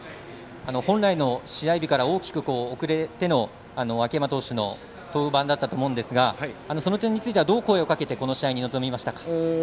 本来の試合日から大きく遅れての秋山投手の登板だったと思うんですがその点についてはどう声をかけてこの試合に臨みましたか？